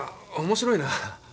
面白いな。